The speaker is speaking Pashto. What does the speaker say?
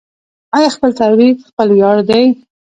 آیا خپل تولید خپل ویاړ دی؟